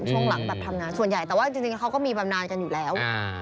ช่วงหลังทำงานส่วนใหญ่แต่ว่าจริงรับมีแบบนานอยู่แล้ว